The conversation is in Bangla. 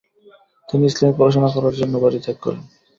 তিনি ইসলামী পড়াশোনা করার জন্য বাড়ি ত্যাগ করেন।